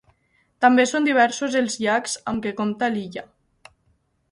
També són diversos els llacs amb què compta l'illa.